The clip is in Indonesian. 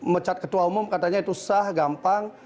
mecat ketua umum katanya itu sah gampang